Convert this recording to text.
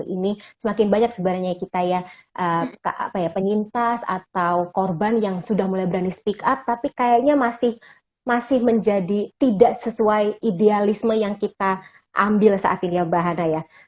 ini semakin banyak sebenarnya kita ya penyintas atau korban yang sudah mulai berani speak up tapi kayaknya masih menjadi tidak sesuai idealisme yang kita ambil saat ini ya mbak hana ya